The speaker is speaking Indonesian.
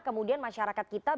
kemudian masyarakat kita